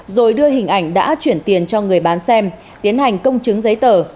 rồi đưa hình ảnh đã chuyển tiền cho người bán xem tiến hành công chứng giấy tờ